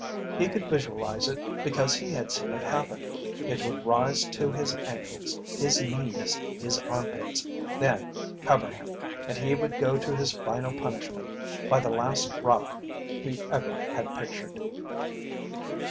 He could visualize it because he had seen it happen. It would rise to his ankles, his knees, his armpits, then cover him, and he would go to his final punishment by the last route he ever had pictured!